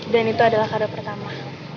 dan itu adalah kata pertama